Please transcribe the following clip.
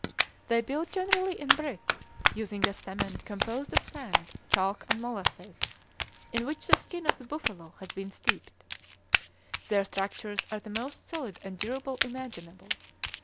They build generally in brick, using a cement composed of sand, chalk, and molasses, in which the skin of the buffalo has been steeped. Their structures are the most solid and durable imaginable.